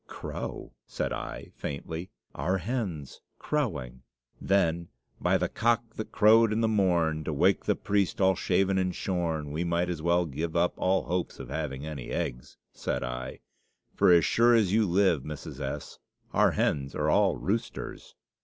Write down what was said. "Crow!" said I, faintly, "our hens crowing! Then, by 'the cock that crowed in the morn, to wake the priest all shaven and shorn,' we might as well give up all hopes of having any eggs," said I; "for as sure as you live, Mrs. S., our hens are all roosters!"